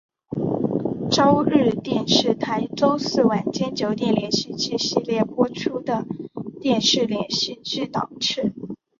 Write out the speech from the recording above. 朝日电视台周四晚间九点连续剧系列播出的电视连续剧档次。